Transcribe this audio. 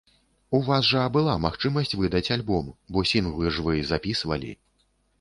У вас жа была магчымасць выдаць альбом, бо сінглы ж вы запісвалі.